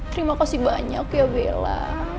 terima kasih banyak ya bella